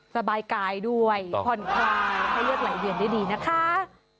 สบายกายด้วยผ่อนคลายให้เลือดไหลเวียนได้ดีนะคะ